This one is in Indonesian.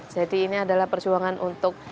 jadi ini adalah perjuangan untuk